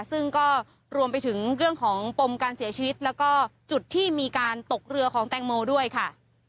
ซึ่งก็รวมไปถึงเรื่องของปมการเสียชีวิตแล้วก็จุดที่มีการตกเรือของแตงโมด้วยค่ะ